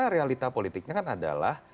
realita politiknya kan adalah